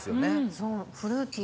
そうフルーティー。